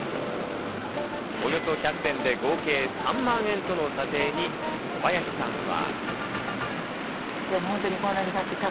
およそ１００点で合計３万円との査定に小林さんは。